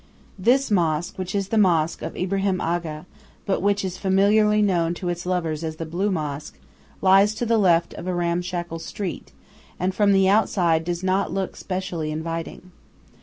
This mosque, which is the mosque of Ibrahim Aga, but which is familiarly known to its lovers as the "Blue Mosque," lies to the left of a ramshackle street, and from the outside does not look specially inviting.